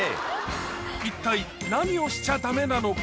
一体何をしちゃダメなのか？